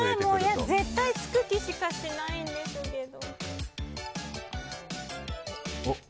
絶対つく気しかしないんですけど。